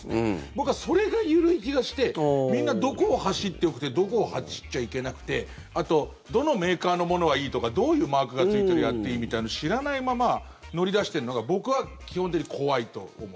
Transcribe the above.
僕はそれが緩い気がしてみんなどこを走ってよくてどこを走っちゃいけなくてあと、どのメーカーのものはいいとかどういうマークがついてりゃやっていいみたいなの知らないまま乗り出してるのが僕は基本的に怖いと思う。